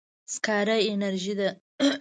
سکاره انرژي ده.